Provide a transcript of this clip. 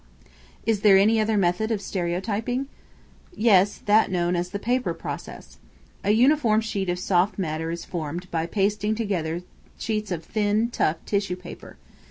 Is there any other method of stereotyping? Yes; that known as the paper process. A uniform sheet of soft matter is formed by pasting together sheets of thin, tough tissue paper.